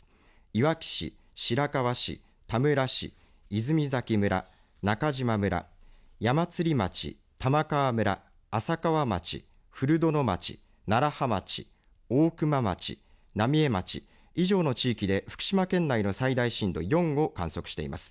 いわき市、白河市、田村市、泉崎村、中島村、矢祭町、玉川村、浅川町、古殿町、楢葉町、大熊町、浪江町、以上の地域で福島県内の最大震度４を観測しています。